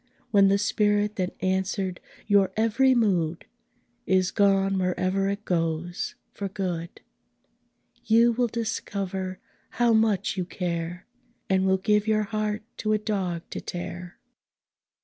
When the spirit that answered your every mood Is gone wherever it goes for good, You will discover how much you care, And will give your heart to a dog to tear!